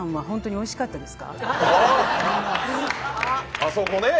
おいしかったです。